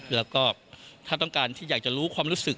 แล้วก็ถ้าต้องการที่อยากจะรู้ความรู้สึก